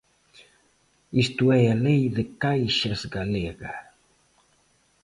Isto é a Lei de caixas galega.